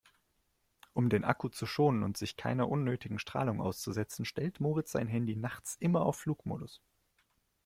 Um den Akku zu schonen und sich keiner unnötigen Strahlung auszusetzen, stellt Moritz sein Handy nachts immer auf Flugmodus.